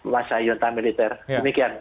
masa juta militer demikian